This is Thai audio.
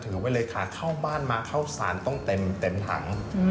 ไว้เลยค่ะเข้าบ้านมาเข้าสารต้องเต็มถัง